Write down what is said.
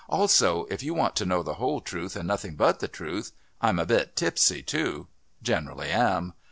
Also, if you want to know the whole truth and nothing but the truth, I'm a bit tipsy too. Generally am.